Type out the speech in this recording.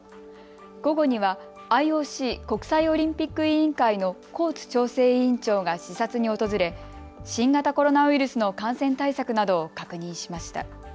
午後にはＩＯＣ・国際オリンピック委員会のコーツ調整委員長が視察に訪れ新型コロナウイルスの感染対策などを確認しました。